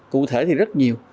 cụ thể thì rất nhiều